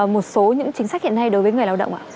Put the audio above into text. một số những chính sách hiện nay đối với người lao động ạ